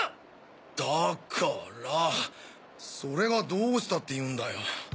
だ・か・らそれがどうしたっていうんだよ！？